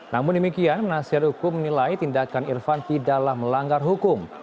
namun demikian penasihat hukum menilai tindakan irfan tidaklah melanggar hukum